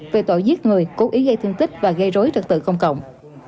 về tội giết người cố ý gây thương tích và gây rối trật tự công cộng